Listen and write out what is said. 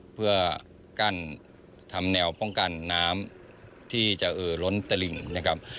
เพื่อกั้นทำแนวป้องกันน้ำที่จะเอ่อล้นตลิ่งนะครับ